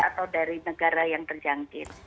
atau dari negara yang terjangkit